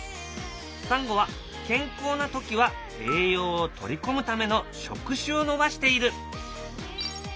サンゴは健康な時は栄養を取り込むための触手を伸ばしている。